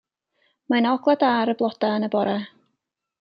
Mae 'na ogla' da ar y bloda' yn y bora.